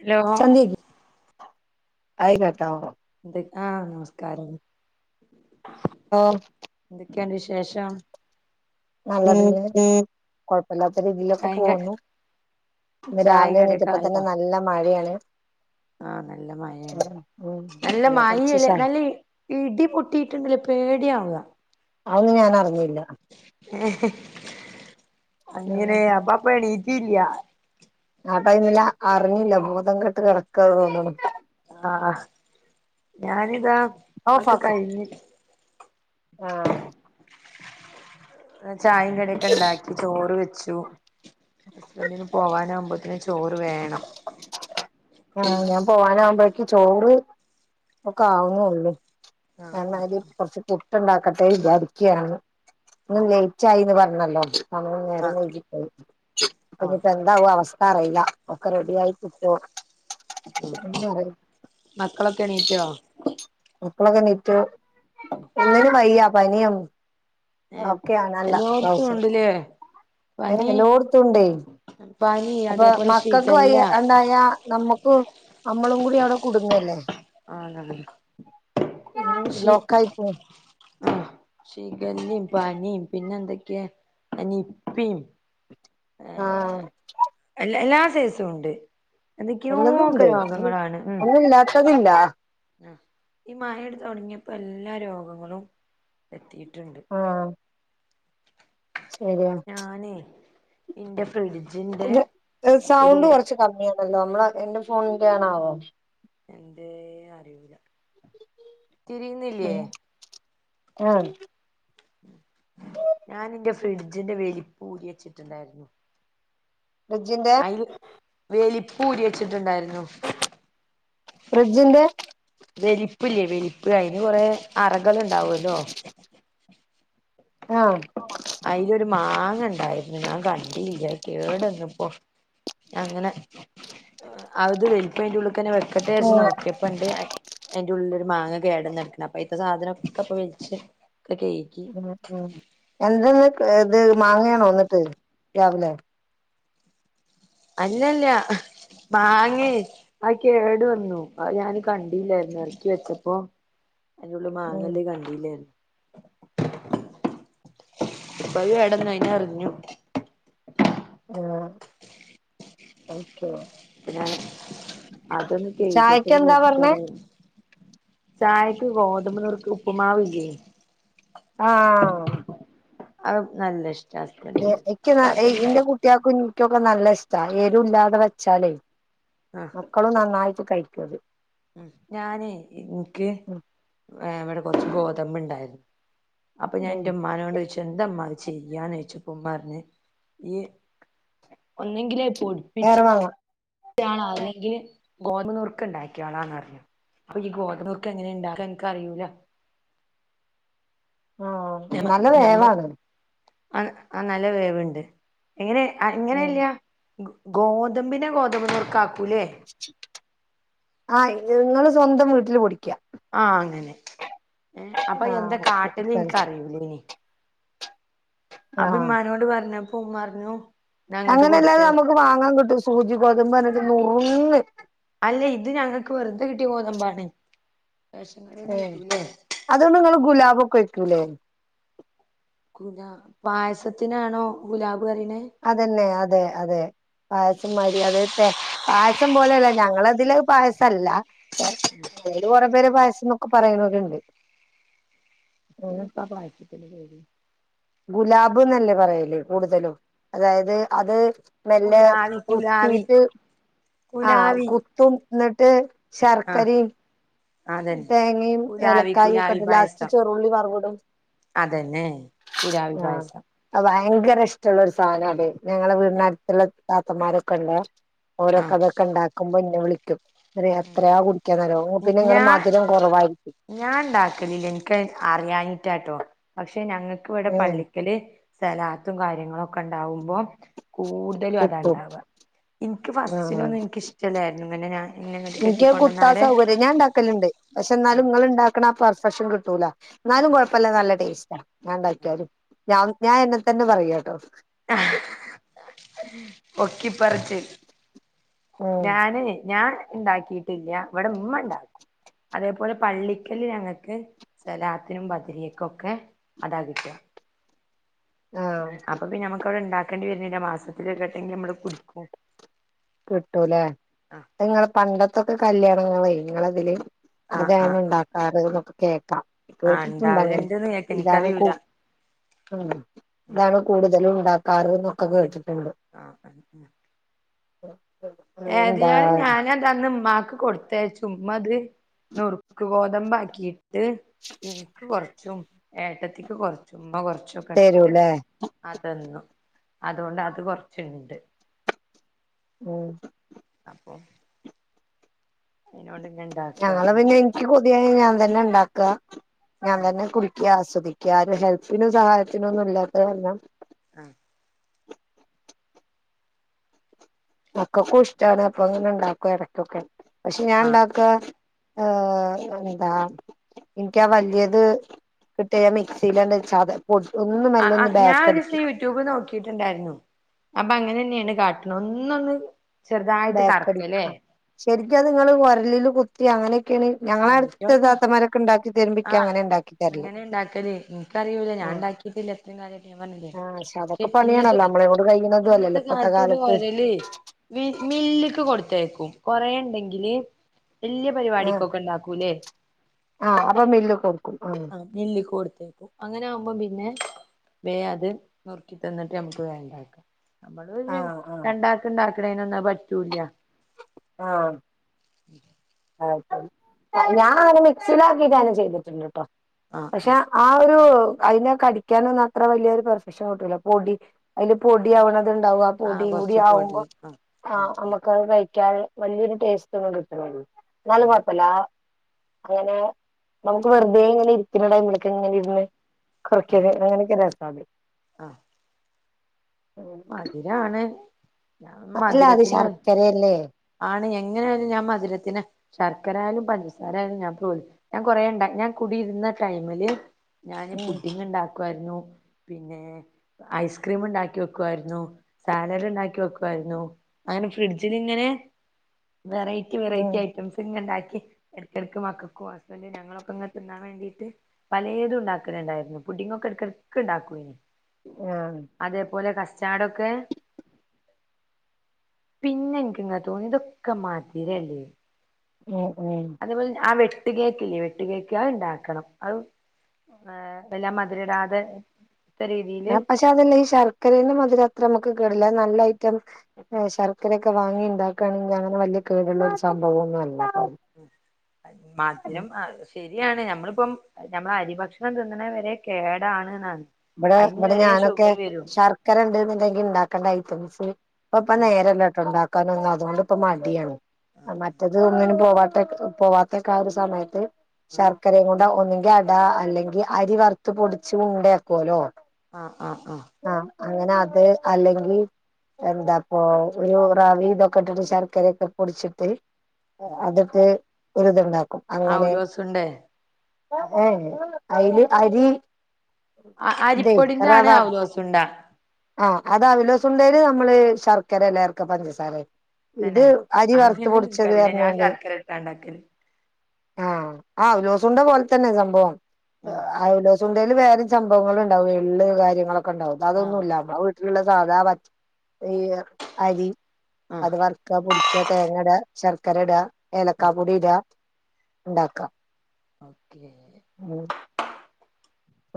Hello ആയിക്കൊട്ടോ ആ നമസ്കാരം. ഒ എന്തൊക്കെയുണ്ട് വിശേഷം നല്ല വിശേ [unintelligible] കൊഴപ വില്ലാത്ത രീതിയിലൊക്കെ ചായിം ക പോകുന്നു ഇന്ന് ചായിം രാവിലെ എണീറ്റപ്പത്തന് നല്ല മഴയാണ്. [inaudible] ആ നല്ല മഴയാണ് ഉം നല്ല പിന്നെ കൊറച്ച് മഴെയല്ല ശ നല്ല ഇടി പൊട്ടിയിട്ട് ഇങ്ങട് പേടി ആവുക അതൊന്നും ഞാൻ അറിഞ്ഞില്ല അങ്ങനെ അപ്പാപേടി ഇല്ല്യ. ആ ടൈമില് അറിഞ്ഞില്ല. ബോധം കെട്ട് കിടക്കാന്ന് തോന്നണു. ആ ഞാനിതാ അത് കഴിഞ്ഞ് അ [inaudible] ചായേം കടിയും ഒക്കെ ഉണ്ടാക്കി ചോറ് വെച്ച് ഈശോ ഹസ്ബന്റിനു പോകാൻ ആവുമ്പയത്തേ ചോറ് വെകണം ആ ഞാൻ പോവാന ആവുമ്പോഴേക്ക് ചോറ് ഒക്കെ ആവുന്നേ ഉള്ളൂ ആഹ് എന്നല് കുറച്ച് പുട്ട് ട്ട് ഇണ്ടാക്കട്ടെ വിചാരിക്കയാണ് ഇന്ന് ലേറ്റായിന്ന് പറഞ്ഞല്ലോ ഒന്ന് നേരം ആഹ് വൈകി പോയി ഇപ്പൊ ആഹ് ഇനിയിപ്പ എന്താവോ അവസ്ഥ അറിയില്ല ഒക്കെ റെഡിയായി കിട്ടുവോ മക്കളൊക്കെ എണീറ്റോ മക്കളൊക്കെ എണിറ്റു ഒന്നിന് വയ്യ പനിയാണ് ഏഹ് ഓക്കെയാണല്ലാം എല്ലാർക്കും ഇപ്രാവശ്യം ഉണ്ട്ല്ലേ പനി എല്ലാടത്തു ഉണ്ടേ പനി അപ്പൊ അതേപോലെ മക്കൾക്ക് ശിഖല്ല വയ്യാണ്ടായ നമ്മക്കും നമ്മളും കൂടി അവിടെ കുടുങ്ങല്ലേ ആണ് ശി ലോക്കായി പോവും ആ ഷിഗലേം പനിയും പിന്നെ എന്തൊക്കെയാ ആ നിപ്പേം ആ [unintelligible] എന്തൊക്കെയോക്കെ എല്ലതുണ്ട് രോഗങ്ങളാണ് ഉം ഒന്നില്ലാത്തതില്ല. ആഹ് ഈ മയ തൊടങ്ങിയപ്പം എല്ലാ രോഗങ്ങളും എത്തി ഇണ്ട് ആഹ് ഞാനേ ന്റപ് കുറച്ചു സൗണ്ട് കുറച്ചു പറഞ്ഞോ നമ്മളെ എന്റെ ഫോൺ കേണാവോ എന്റെ അറിയില്ല. തിരിയുന്നില്യേ? ആ ഞാനെന്റെ ഫ്രിഡ്ജിന്റെ വെലിപ്പൂരിച്ചിട്ടുണ്ടാരുന്നു ഫ്രിഡ്ജിന്റെ ആയില് വേലി ഊരി വെച്ചിട്ടുണ്ടാരുന്നു ഫ്രിഡ്ജിന്റെ വിരിപ്പില്ലേ വിരിപ്പ് അയിനു കുറെ അറകളുണ്ടാവല്ലോ? ആ മാങ്ങണ്ടാരുന്നു ഞാൻ കണ്ടീല്ല കേടെന്ന്പ്പം അങ്ങനെ [unintelligible] [unintelligible] വെക്കട്ടേ യാര്ച്ച് ഉം നോക്കിയപ്പണ്ട് അയിന്റുള്ളിലൊരു മാങ്ങ കേടെന്നെട്ക്ക്ണ് അപ്പൊ അയ്തേ സാധനോക്കെ പ്പ വൽച്ച് ക്കെ കേയ്കി എന്തോ ഏതെ മാങ്ങയാണോ ന്നിട്ട് രാവിലെ അല്ലല്ല മാങ്ങയെ ആയു കേടു വന്നു ആയു ഞാനു കണ്ടില്ലാരുന്നു വച്ചേപ്പം അയിനുള്ളിൽ ഉം മാങ്ങെള്ളേ കണ്ടില്ലാരുന്നു പ്പ അത് കെടന്ന് അത് എറിഞ്ഞു ആ അതോന്ന് കൈകട്ടെ ചായക്ക് എന്താ പറഞ്ഞേ വിചാരിച്ചിട്ടാണ് ചായയ്ക്കെ ഗോതമ്പുനുറുക്കെ ഉപ്പുമാവില്ലേ ആ ആവൂ നല്ലേ [unintelligible] ഏ ഇന്റെ കുട്ടിയെക്കും ക്കൊക്കെ നല്ല ഇഷ്ടാ എരുല്ലാതെ വെച്ചാലേ മക്കളു നന്നായിട്ടു കഴി ഒരു ഉം ഞാനേ എനിക്ക് ഉം വേ ഇവിടെ കൊറച്ച് ഗോത മ്പ് ഇണ്ടായിരുന്ന്- അപ്പം ഞാൻ ഉം എന്റുമ്മാനോട് ചോദിച്ച് എന്ത്മ്മാ ചെയ്യാന്ന് വെച്ചപ്പം ഉമാപറഞ്ഞ് ഈ ഒന്ന്ങ്കില്- വേറെ വാങ്ങം- ഞാനാണെങ്കിഗോതമ്പ് നുറുക്ക് ഉണ്ടാക്കിക്കോളാന്ന് പറഞ്ഞ്അപ്പ ഈ ഗോതമ്പ് നുറ് ക്ക് എങ്ങനെയാ ഇണ്ടാക്ക്ക എക്കറിയൂല- ആ നല്ല വേവാ അത്- അ ആ നല്ല വേവുണ്ട്. എങ്ങനെ ആ ഉം ഇങ്ങനെയല്ല ഗോ ഗോതമ്പിനെ ഗോതമ്പ് നുറുക്ക് ആക് കൂലേ? ആ ഇതുങ്ങള് സ്വന്തം വീട്ടില് പൊടിക്കാ. ആഹ് അങ്ങനെ. ഏ അപ്പം ആഹ് എന്താ ഓക്കെ കാട്ടുന്നെ എനിക്ക് അറിയൂല ഇനി. അതീമ്മാനോട് പറഞ്ഞ പ്പോ ഉമ്മാറഞ്ഞു അങ്ങനല്ലാതെ നമുക്ക് വാങ്ങാൻ കിട്ടും. സൂചി ഗോതമ്പ് തന്നെ ഒരു നൂ ഒന്ന് അല്ല ഇത് ഞങ്ങക്ക് വെറുതെ കിട്ടിയ ഗോതമ്പ് ആണ്. റേ അതുകൊണ്ട് നിങ്ങൾ ഗുലാബ് ഒക്കെ വെയ്ക്കൂലേ ഗുലാബ് പായസത്തിനാണോ ഗുലാബ് പറയണേ അതന്നെ അതേ അതേ പായസം മാതിരി അതേ തേ പായസം പോലെയല്ല ഞങ്ങടെ ഇതില് പായസം അല്ല കൊറേ പേര് പായസ് ന്നൊക്കെ പറയുന്നവരുണ്ട് പിന്നെപ്പ ആ പായസത്തിന്റെ പേര് ഗുലാബ് എന്നല്ലേ പറയല് കൂടുതലും അതായത് അത് നെല്ല് കുലാവി കുലാവി കുത്തിയിട്ട് ആ കുലാവി കുത്തും എന്നിട്ട് ആ ശർക്കരി അതന്നെ തേങ്ങിം കുലാവി ഏലക്കായിം ഒക്കെ കുലാവി ഇട്ട് ലാസ്റ്റ് പായസം ചേറൂ ള്ളി വറവ്വ്ടും അതന്നെ കുലാവി പായസം ഭയങ്കര ഇഷ്ടള്ള ഒരു സാനാദ് ഞങ്ങളെ വീടിൻ്റെ അടുത്തുള്ള താത്തമാരോക്കെണ്ട ഓരൊക്കെ ആഹ് അതൊക്കെ ണ്ടാക്കുമ്പോഞ്ഞി ന്നെ വിളിക്കും എത്രയാ കുടിക്കാന്നറിയോ പിന്നെ ങ്ങൾ മ ഞാൻ ണ്ടാക്കൽ ഇല്ല ൻക്കത് അറിയാഞ്ഞിട്ടാട്ടോ [unintelligible] ഞങ്ങൾക്ക് ഇവിടെ ഉം പള്ളിക്കൽ സലാത്തും കാര്യങ്ങളൊക്കെണ്ടാവുമ്പോ കൂടുതലും കിട്ടും അതാണ്ടാവ ന്ക്ക് ഫസ്റ്റിൽ ഒന്നും ന്ക് ഇഷ്ടല്ലായ്ന്നു അങ്ങനെ ഞാൻ എന്നെ ഇങ്ങട്ട് ന്ക്കത് കുത്താൻ കെട്ടിക്കൊണ്ടന്നാരെ സൗകര്യം ഞാൻ ണ്ടാക്കൽ ണ്ട് പക്ഷേ ന്നാലും ഞങ്ങൾണ്ടാക്കണ പെർഫെക്ഷൻ കിട്ടു കിട്ടൂല ന്നാലും കൊയ്പ്പല്ല നല്ല ടേസ്റ്റ ഞാൻ ണ്ടാക്കിയാൽ ഞാൻ എന്നെതന്നെ പറയട്ടോ [unintelligible] പൊക്കി പറച്ചിൽ ഉം ഞാന് ഞാ ണ്ടാക്കിയിട്ടില്ല്യ വടേ മ്മ ണ്ടാക്കും അതേപോലെ പള്ളിക്കൽ ഞങ്ങൾക്ക് സലാത്തിനു ബദരിയക്കൊക്കെ അതാകിട്ട ആഹ് അപ്പ പിന്നെ മ്മൾക്ക് അവടെ ണ്ടാക കണ്ടി വർണില മാസത്തിൽ ഒരുവട്ടങ്കിലും നമ്മൾ കുടിക്കും കിട്ടുലെ അത് ങ്ങളെ പണ്ടത്തെക്കെ കല്യാണത്തിന് ഞങ്ങളെ ഇങ്ങളെതീൽ ആഹ് അതാ ആഹ് ഞങ്ങള് ണ്ടാക്കാർന്നു കേക്ക ആഹ് കേട്ടിട്ട്ണ്ട് അങ്ങനെ ഉണ്ടാവലുണ്ട്ന്ന് കേട്ട് ഇതാണ് എനിക്കറിയൂല കൂടുത [unintelligible] ഇതാണ് കൂടുതൽ ഉണ്ടാക്കാർ [unintelligible] [unintelligible] എന്താ ഏതിയാലും ഞാനതന്ന് മ്മാ ക്ക് കൊടുത്തയച്ച് ഉമ്മ അത് നുറുക്ക് ഗോതമ്പ്ക്കി ഇന്ക് കോർച്ചും ഏട്ടത്തിക്ക് കൊർച്ചും മ്പ കൊർച് ഷൊ കട്ത്ത് തരൂല്ലേ അ തന്നു അതോണ്ട് അത് കൊർച് ണ്ട് മ്മ് അപ്പൊ അയ്‌നോണ്ട് ങ്ങൻ ണ്ടാക്കാണ് തിയ ഞാൻ തന്നെ ണ്ടാക്ക ഞാൻ തന്നെ കുടിക്കാ സ് സ്വദിക്കാ ആരു ഹെൽപ്പിനു സഹായത്തിനു ഒന്നു ല്ലാത്തെ ര്ണം അഹ് മക്കക്കു ഇഷ്ട്ടാണ് അപ്പൊ ങ്ങന ണ്ടാക്കു എടക്കൊക്കെ പക്ഷേ ഞാൻ ആഹ് ണ്ടാക്കാ ആ ന്താ ഇൻക്ക്യാ വല്ല്യത ക് ട്ട്യാ ഞാ മിക്സിലെന്നെ ചത പൊടി ഒന്ന് അ മെല്ലെ ആ ഒന്ന് ഞാ ഓരോസി ബേക്കടിക്കും യൂ ടൂബ് നോക്കിട്ട്ണ്ടാര്ന്നു അപ്പ അങ്ങനെന്നേണ് കാട്ട്ണ് ഒന്ന് ന്നൊന്ന് ചെർതായിട്ട് കർക്ക ലേ ശെര്ക്യത് ങ്ങള് ഓര്ലിൽ കുത്തി അങ്ങനെ അ [unintelligible] വ്വ തരുമ്പോ ഇക്ക് ആഹ് അങ്ങനെ ഉണ്ടാക്കി തരല് അങ്ങനെ ണ്ടാക്കല് ഇൻകറിയൂല ഞാൻ ആ ണ്ടാക്കിട്ടില്ല ത്രേ കലായ്ട്ട് ഞാൻ പർഞ്ഞില്ലേ ആഹ് പക്ഷെ ഷേ അതൊക്കെ പ്പ് ഇന്നത്തെ പണിയാണല്ലോ കാ നമ്മളെ കൊണ്ട് കഴിയുന്നതും അല്ലല്ലോ ഇന്നത്തെ ഇപ്പത്തെ കാൽത്തൊരു കാലത്ത് ഒരല് വി മില്ല്ക്ക്‌ കൊട്ത്തേയ്ക്കും കൊറേ ണ്ടെങ്കില് വല്ല്യ പര്പാടി ആഹ് അക്കൂലേ ആഹ് അപ്പൊ മില്ല് ക്കൊടുക്കും ആഹ് [unintelligible] അങ്ങനാവുമ്പോ പിന്നെ വേ അത് നുറ്ക്കി തന്നിട്ട് നമ്മ്ക്ക് വേണ്ടാക്ക. നമ്മള് പിന്നെ ആഹ് രണ്ടാക്ക് ണ്ടാക് [unintelligible] പറ്റൂല്യ. ആഹ് [unintelligible] ഞാനങ്ങന മിക്സീലാക്കീട്ട് അങ്ങനെ ചെയ്ത്ട്ട്ണ്ട് ട്ടോ. പക്ഷേ ആ ഒരു അയിന കടിക്കാനൊന്നും അത്ര വലിയൊരു പെർഫെക്ഷൻ കിട്ടൂല പൊടി അയില് പൊടി ആവണ ത് ഉണ്ടാവും ആ പൊടി കൂടി ആവുമ്പൊ ആ നമ്മക്കത് സ [unintelligible] വലിയൊരു ടേസ്റ്റൊന്നും കിട്ട്ണില്ല ആ ന്നാലും ആ കൊഴപ്പല്ലാ അങ്ങനെ നമ്മുക്ക് വെറുതേ ഇങ്ങനെ ഇരിക്കണ ടൈമിലൊക്കെ ഇങ്ങനിരുന്ന് ആ [unintelligible] അങ്ങനെക്കൊരു രസ അതെ ആ മധുരാണ് ഞാൻ അല്ല അത് മധുരത്തിന് വൈ ശർക്കരയല്ലേ ആണ് എങ്ങനെയായാലും ഞാൻ മധുരത്തിന് ശർ ശർക്കരായാലും പഞ്ചസാരയായാലും ഞാൻ പ്രോൽ ഞാൻ കുറേയുണ്ടാ ഞാൻ കുടിയിരുന്ന ടൈമില് ഞാന് ഉം പുഡ്ഡിംഗ് ഉണ്ടാ ക്കുവായിരുന്നു പിന്നെ ഐസ്ക്രീം ഉണ്ടാക്കി വയ്ക്കു ക്കുവായിരുന്നു സാലഡ് ഉണ്ടാക്കി വെക്കുമായിരുന്നു അങ്ങനെഫ്രിഡ്ജില് ഇങ്ങനെ വെറൈറ്റി ഉം വെറൈറ്റി ഐറ്റംസ് ഇങ്ങനെ ഇണ്ടാക്കി ക്കി ഇടയ്ക്ക് ഇടയ്ക്ക് മക്കൾക്കും ഹസ്ബൻ്റ് ഞങ്ങളൊക്കെ തിന്നാൻ വേണ്ടിയിട്ട് പലേതും ഉണ്ടാക്കലിണ്ടേർന്നു പുഡ്ഡിംഗ് ഒക്കെ ഇടയ്ക്ക് ഇടയ്ക്ക് ഇണ്ടാക്കോയിരുന്നു ആഹ് അതേ പോലെ കസ് സാഡ് ഒക്കെ പിന്നെ ൻക്ക്ങ്ങനെ തോന്നി തൊക്കെ മധ് രല്ലേ മു അതേപോലെന്നെ ആ വെ ട്ട് കേക്ക്ല്ലേ വെട്ട് കേക്ക് അത്ണ്ടാക്കണം അത് ഏ വല്ലാ മദ്‌രടാതെ ആം പക്ഷെ അതല്ല ഈ ശർക്കരേന്ന് മധുര അത്രമു ക്ക് കേട്ല്ല അത് നല്ല ഐറ്റം എ ശർക്കരയൊക്കെ വാങ്ങി ണ്ടാക്കാണെങ്കി അങ്ങനെ വല്യെ കേട്ള്ള ഒര് സംഭവാെന്നു അല്ല മദ്‌രം അ ശെരി ര്യാണ് ഞമ്മൾപ്പം ഞമ്മളരി ഭക്ഷണം തിന്ന്ണെ വെരേ കേടാണ്ന്നാണ് ഇബടെ അയിന് ഇബടെ വരെ ഞാനൊക്കെ ഷുഗർ വരും ശർക്കരണ്ട്ന്ന്ണ്ടെങ്കി ഇണ്ടാക്കണ്ട ഐറ്റംസ് ഇപ്പംപ്പം നേരല്ലട്ടോ ണ്ടാ ക്കാനൊന്നും അതോണ്ട്പ്പം മടിയാണ് അ മറ്റത് ങ്ങനും പോവാത്തെക്ക് പോവാത്തെക്കാ ആ ഒര് സമയത്ത് ശർക്കരേ കൊൺ ണ്ട് ഒന്നെങ്കി അട അല്ലെങ്കി അരി വർത്ത് പൊടിച്ച് ഉണ്ടയാ ക്കോലോ ആ ആ ആ അങ്ങനെ അത് അല്ലെങ്കി എന്താപ്പോ ഒരു റവേം ഇതൊക്കെ ഇട്ടിട്ട് ശർക്കരയൊക്കെ പൊടിച്ചിട്ട് അതൊക്കെ ഒരു ഇതുണ്ടാ അവലോസുണ്ട ഏ അയില് അരി ആ ഇതേ അരിപൊടീൻ്റെ ആണ് റവ അവിലോസുണ്ട. ആ അത് അവിലോസുണ്ടേല് നമ്മള് ശർക്കര അല്ല ചേർക്ക പഞ്ചസാരയാണ് തന്നെ അത് എനക്ക് അറിയൂലേ ഞാൻ പറഞ്ഞാണ്ട് ശർക്കര ഇട്ടാ ഇണ്ടാക്കല്. ആ ആ അവിലോസുണ്ട പോലെ തന്നെയാ സംഭവം. ഏ ആഹ് അവിലോ സുണ്ടേല് വേറെം സംഭവങ്ങള് ഇണ്ടാവും എള്ള് കാര്യങ്ങളൊ ക്കെണ്ടാവും ഇത് ആഹ് അതൊന്നുമില്ലാ വീട്ടിലുള്ള സാധാ പച്ച ഈ അരി ആഹ് അത് വറക്കുക പൊടി ക്ക തേങ്ങടാ ശർക്കരടാ ഏലക്ക ആഹ് പോടി ഇടാ ണ്ടാക്ക ഓക്കെ ഉം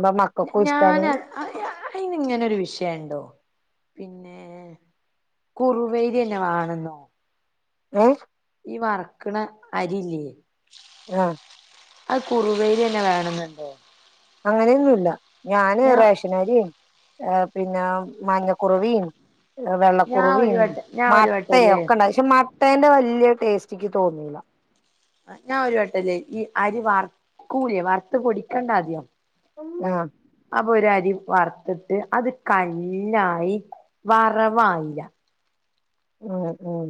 മ്പ ഞ മക്കൾക്കും ഇഷ്ടാണ് ഞാന് അ അ അയ്ന് ഇങ്ങനെ ഒരു വിഷയണ്ടോ പിന്നെ കുറുവ അരിന്നെ മാണംന്നോ ഏ ഈ വറ്ക്ക്ണ അരി ഇല്ലേ? ആ അത് കുറുവ അരിന്നെ വേണംന്ന്ണ്ടോ? അങ്ങനെന്നും ഇല്ല. ഞാന് റേഷന അരിം ഏ പിന്നെ മഞ്ഞ കുറുവേം ഏ വെള്ള ഞാൻ ഒരു കുറുവേം വട്ട ഞാൻ ഒരു മട്ടെം വട്ടല്ലേ ഒക്കെ ഇണ്ടാ ക്ഷെ മട്ടെൻ്റെ വല്ല്യ ടേസ്റ്റ് ഇക്ക് തോന്നീല. അ ഞാൻ വട്ടംലേ ഈ അരി വർക്കൂലെ വർത്ത് പൊടിക്കണ്ടെ ആദ്യം ആഹ് അപ്പോ ഒരു അരി വർത്തിട്ട് അത് കല്ലായി വറവായീല. ഉം ഉം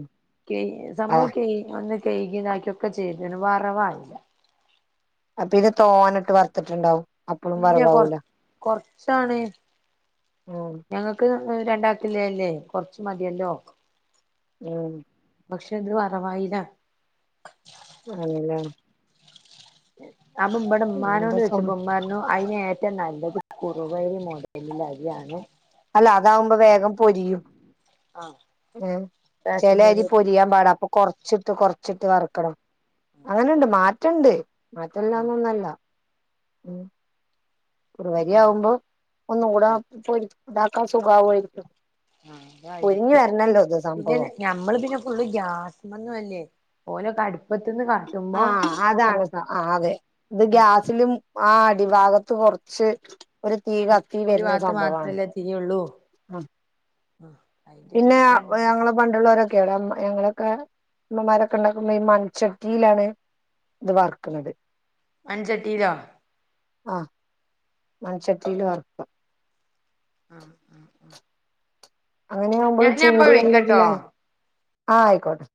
കെയ് ആ സംഭവം കെയ് അന്നി കെയ്കേം ഇതാക്കേം ഒക്കെ ചെയ്ത്ണ് വറവായീല. അതിനെ തോനെ ഇട്ട് വറ്ത്തിട്ട്ണ്ടാവും. അപ്പഴും വറവാവൂല. ച്ചാണെ. ഉം ഞങ്ങക്ക് ഒരു രണ്ടാൾക്ക് ഇള്ളേ അല്ലേ കൊറച്ച് മതിയല്ലോ ഉം പക്ഷെ ഇത് വറവായില്ല ആണ്ലെ [inaudible] അപ്പം ഇബടെ ഇമ്മാനോട് എന്താ സം ചോയ്ച്ചപ്പോ ഇമ്മ പറഞ്ഞു അയിന് ഏറ്റവും നല്ലത് കുറുവരി മോഡൽ അരിയാണ് അല്ല അതാവുമ്പോ വേഗം പൊരിയും റേഷൻ ചേലെ അരി പീടിക പൊരിയാൻ പാടാ. അപ്പൊ കോർച്ചിട്ട് കോർച്ചിട്ട് വർക്കണം അങ്ങനണ്ട് മറ്റേണ്ട് മാറ്റല്ലന്നൊന്നുമല്ല ഉം കുറുവാരി ആകുമ്പോ ഒന്നുകൂടാ പൊരി ദാ ക്കാൻ സുഗാവയിരി ആ അതായിരിക്കും പിന്നെ സംഭവം ഞമ്മൾ പിന്നെ ഫുൾ ഗ്യാസ്സുന്നല്ലേ ഓലൊക്കെ അടുപ്പത്ത്ന്ന് കാട്ടുമ്പോ ആ അതാണ്‌ അതെ ഇത് ഗ്യാസ്സിലും ആ അടിഭാഗത്തു കൊറച്ച് തീ കത്തി ഒരു വര്ണാ ഭാഗത്ത് സംഭവാണ് മാത്രല്ലേ തിരിയുള്ളൂ ആ അതിന്റെ ഒരു പിന്നെ വിഷയം ഉണ്ടായത് ഞങ്ങളെ പണ്ടുള്ളോര് ഞങ്ങളൊക്കെ ഇമ്മമാർ ക്കെ ഇണ്ടാക്കു മണ് ചട്ടിയിലാണ് ഇത് വർക്കുന്നത് മൺചട്ടീലോ ആ മൺചട്ടീല് വ ആ ആ അങ്ങനെ ആവുമ്പള് ചൂടു [unintelligible] ആ ആയ്ക്കോട്ടെ